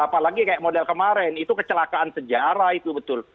apalagi kayak model kemarin itu kecelakaan sejarah itu betul